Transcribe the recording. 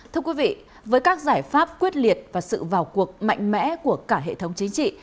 thưa quý vị với các giải pháp quyết liệt và sự vào cuộc mạnh mẽ của cả hệ thống chính trị